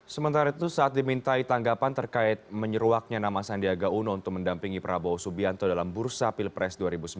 sementara itu saat dimintai tanggapan terkait menyeruaknya nama sandiaga uno untuk mendampingi prabowo subianto dalam bursa pilpres dua ribu sembilan belas